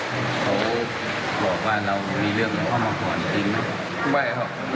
มันเป็นข้ออ้างใครก็ได้